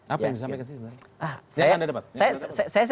apa yang disampaikan sebenarnya